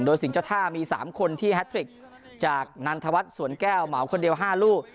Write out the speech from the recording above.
โดยสิ่งเจ้าท่ามี๓คนที่แฮทริกจากนันทวัฒน์สวนแก้วเหมาคนเดียว๕ลูก